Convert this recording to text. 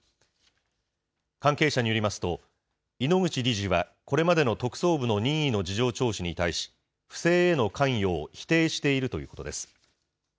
関係者によりますと、井ノ口理事はこれまでの特捜部の任意の事情聴取に対し、不正への関与を否定しているということです。